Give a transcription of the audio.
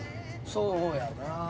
そうやな。